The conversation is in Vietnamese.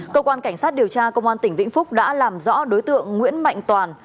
cơ quan cảnh sát điều tra công an tỉnh vĩnh phúc đã làm rõ đối tượng nguyễn mạnh toàn